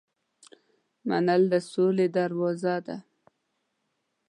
منل د سولې دروازه ده.